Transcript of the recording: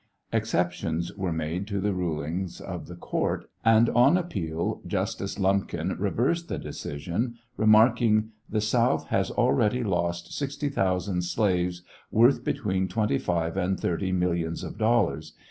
Exceptions were taken to the rulings of the court, and on appeal Justice Lump kin reversed the decision, remarking, " The South has already lost 60,000 slaves, worth between 25 and 30 millions of dollars.